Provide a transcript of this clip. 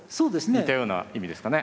似たような意味ですかね。